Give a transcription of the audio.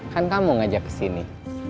kan kamu ngajak kesini